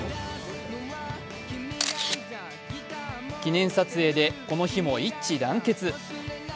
記念撮影で、この日も一致団結。